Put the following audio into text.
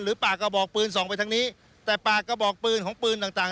ปากกระบอกปืนส่องไปทางนี้แต่ปากกระบอกปืนของปืนต่างต่าง